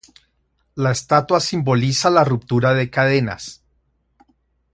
La estatua simboliza la "ruptura de cadenas".